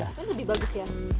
ya lebih bagus